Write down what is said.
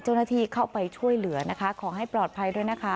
เจ้าหน้าที่เข้าไปช่วยเหลือนะคะขอให้ปลอดภัยด้วยนะคะ